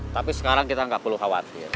tapi sekarang kita nggak perlu khawatir